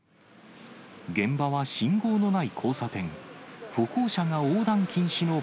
現場は信号のない交差点。